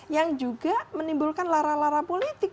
yang juga menimbulkan lara lara politik